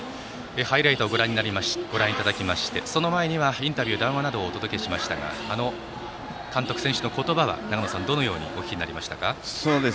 ハイライトをご覧いただきその前にはインタビュー、談話などをお届けしましたが監督選手の言葉は長野さんはどのようにお聞きになりましたか。